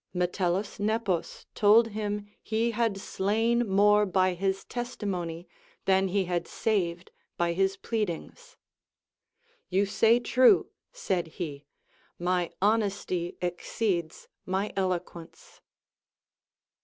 Metellus Nepos told him he had slain more by his testimony than he had saved by his pleadings. You say true, said he, my honesty exceeds my eloquence.